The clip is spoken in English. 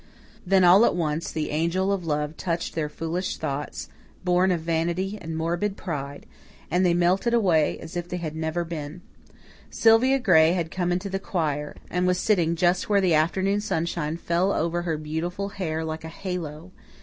Then all at once the Angel of Love touched these foolish thoughts, born of vanity and morbid pride, and they melted away as if they had never been. Sylvia Gray had come into the choir, and was sitting just where the afternoon sunshine fell over her beautiful hair like a halo.